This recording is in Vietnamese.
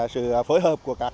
sự phối hợp của các cơ quan